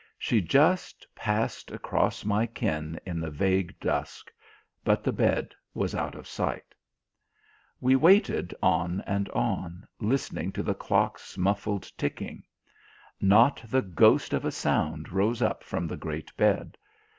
She just passed across my ken in the vague dusk; but the bed was out of sight. We waited on and on, listening to the clock's muffled ticking. Not the ghost of a sound rose up from the great bed.